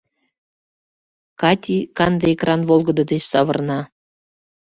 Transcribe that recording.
Кати канде экран волгыдо деч савырна.